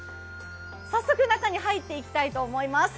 早速、中に入っていきたいと思います。